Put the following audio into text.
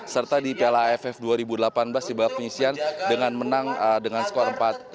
serta di piala aff dua ribu delapan belas di babak penyisian dengan menang dengan skor empat